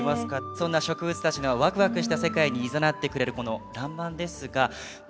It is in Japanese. そんな植物たちのワクワクした世界にいざなってくれるこの「らんまん」ですが今日はね